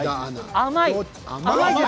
甘い。